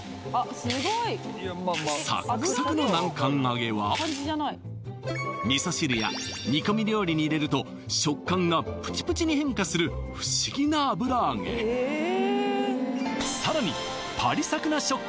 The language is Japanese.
サックサクの南関あげは味噌汁や煮込み料理に入れると食感がぷちぷちに変化する不思議な油揚げさらに